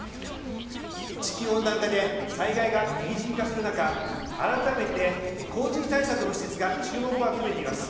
地球温暖化で災害が激甚化する中改めて洪水対策の施設が注目を集めています。